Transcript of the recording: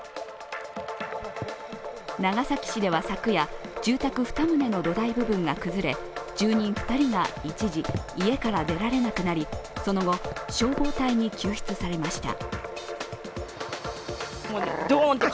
長崎市では昨夜、住宅２棟の土台部分が崩れ住人２人が一時、家から出られなくなりその後、消防隊に救出されました。